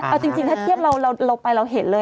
เอาจริงถ้าเทียบเราไปเราเห็นเลย